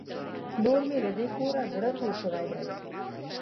نور مې له دې کوره زړه تور شوی دی.